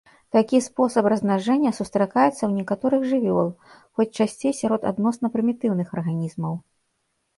Такі спосаб размнажэння сустракаецца ў некаторых жывёл, хоць часцей сярод адносна прымітыўных арганізмаў.